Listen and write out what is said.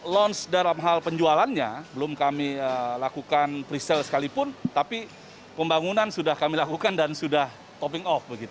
launch dalam hal penjualannya belum kami lakukan pre sale sekalipun tapi pembangunan sudah kami lakukan dan sudah topping off